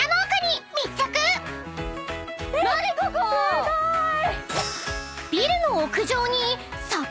すごーい！